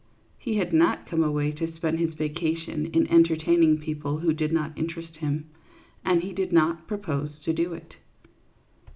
He had not come away to spend his vacation in entertaining people who did not interest him, and he did not propose to do it.